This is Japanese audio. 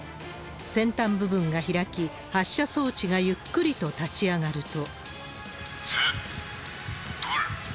先端部分が開き、発射装置がゆっくりと立ち上がると。